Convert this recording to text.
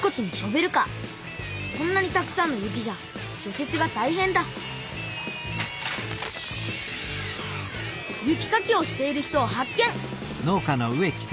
こんなにたくさんの雪じゃじょ雪がたいへんだ雪かきをしている人を発見！